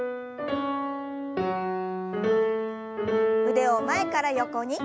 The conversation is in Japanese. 腕を前から横に。